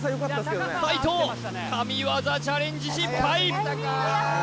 斉藤神業チャレンジ失敗